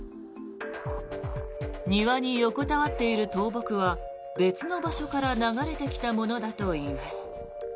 庭に横たわっている倒木は別の場所から流れてきたものだといいます。